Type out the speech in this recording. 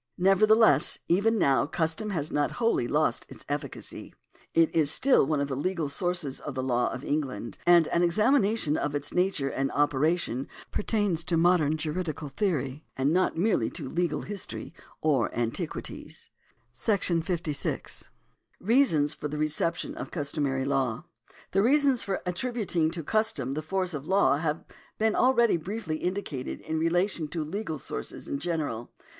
Nevertheless even now custom has not wholly lost its efficacy. It is still one of the legal sources of the law of England, and an examination of its nature and operation pertains to modern juridical theory, and not merely to legal history or antiquities. § 50. Reasons for the Reception of Customary Law. The reasons for attributing to custom the force of law have been alreadj'^ briefly indicated in relation to legal sources in general.